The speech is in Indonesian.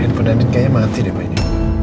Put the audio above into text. handphone andin kayaknya mati deh mba ini